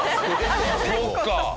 そっか。